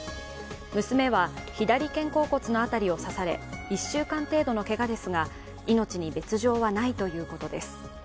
娘は左肩甲骨の辺りを刺され１週間程度のけがですが命に別状はないということです。